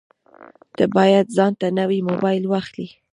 ته باید ځانته نوی مبایل واخلې